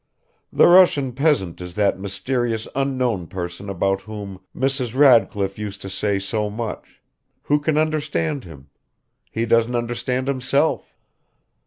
The Russian peasant is that mysterious unknown person about whom Mrs. Radcliffe used to say so much. Who can understand him? He doesn't understand himself."